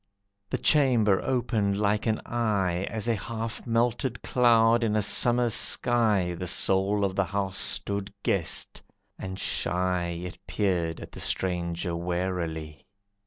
The chamber opened like an eye, As a half melted cloud in a Summer sky The soul of the house stood guessed, and shy It peered at the stranger warily.